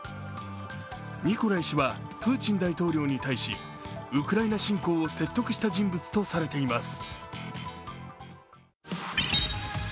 ニコライ氏はプーチン大統領に対し、ウクライナ侵攻を説得した人物とされています。